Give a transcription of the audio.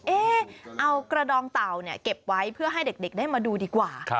เอากระดองเต่าเก็บไว้เพื่อให้เด็กได้มาดูดีกว่า